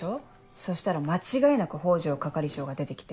そしたら間違いなく北条係長が出て来て。